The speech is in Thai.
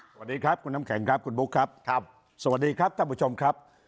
สวัสดีครับคุณน้ำแข็งครับคุณบุ๊คครับครับสวัสดีครับท่านผู้ชมครับ